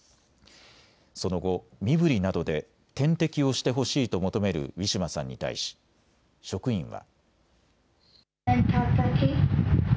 その後、身ぶりなどで点滴をしてほしいと求めるウィシュマさんに対し職員は。